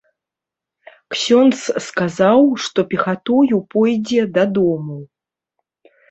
Ксёндз сказаў, што пехатою пойдзе дадому.